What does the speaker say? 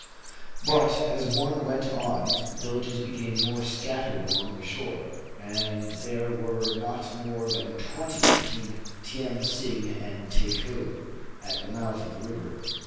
But, as one went on, the villages became more scattered along the shore ; and there were not more than twenty between Tien Sing and Takou, at the mouth of the river.